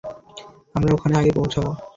আমরা ওখানে আগে পৌঁছাব।